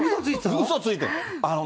うそついてたの？